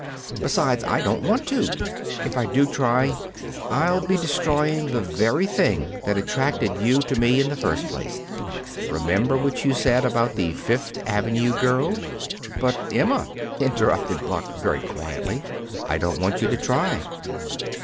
Besides, I don't want to. If I do try, I'll be destroying the very thing that attracted you to me in the first place. Remember what you said about the Fifth Avenue girl?" "But, Emma," interrupted Buck very quietly, "I don't want you to try."